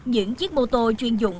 những chiếc mô tô chuyên dụng